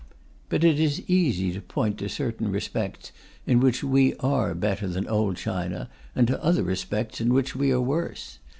But it is easy to point to certain respects in which we are better than old China, and to other respects in which we are worse.